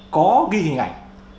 có ghi hình ảnh